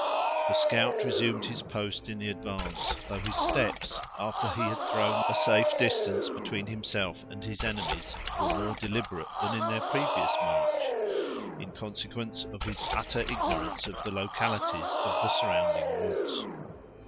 The scout resumed his post in advance, though his steps, after he had thrown a safe distance between himself and his enemies, were more deliberate than in their previous march, in consequence of his utter ignorance of the localities of the surrounding woods.